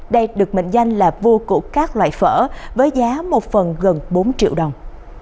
đây được mệnh danh là vua của các loại phở với giá một phần gần bốn triệu đồng